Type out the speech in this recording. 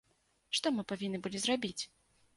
Што мы павінны былі зрабіць?